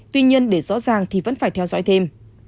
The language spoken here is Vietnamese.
tuy nhiên để rõ ràng thì vẫn phải theo dõi thêm